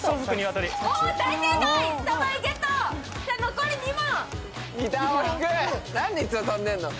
残り２問！